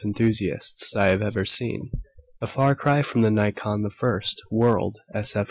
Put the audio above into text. enthusiasts I have ever seen. A far cry from the Nycon, the first "world" s.f.